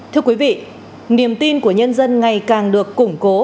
thưa quý vị niềm tin của nhân dân ngày càng được củng cố